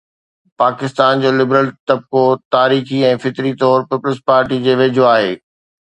پاڪستان جو لبرل طبقو تاريخي ۽ فطري طور پيپلز پارٽيءَ جي ويجهو آهي.